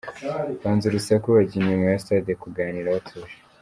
Banze urusaku bajya inyuma ya stade kuganira batuje.